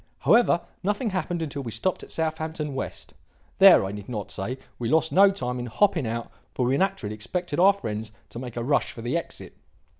"However, nothing happened until we stopped at Southampton West. There, I need not say, we lost no time in hopping out, for we naturally expected our friends to make a rush for the exit.